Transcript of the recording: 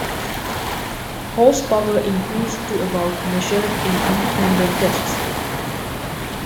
Horsepower increased to about measured in independent tests.